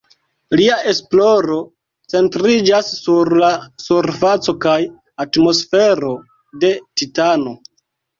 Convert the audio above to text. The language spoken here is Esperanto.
Lia esploro centriĝas sur la surfaco kaj atmosfero de Titano.